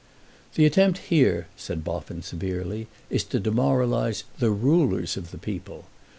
"The attempt here," said Boffin severely, "is to demoralise the rulers of the people.